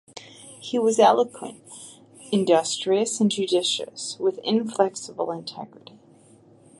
He was eloquent, industrious, and judicious, with inflexible integrity.